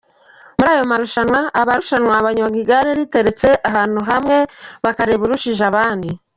Muri ayo marushanwa abarushanwa banyonga igare riteretse ahantu hamwe, bakareba urushije abandi.